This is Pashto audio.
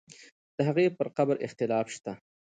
د هغې پر قبر اختلاف شته.